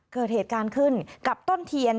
เกิดเหตุการณ์ขึ้นกับต้นเทียน